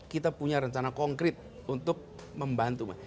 kita punya rencana konkret untuk membantu mas